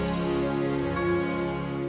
terima kasih udah nonton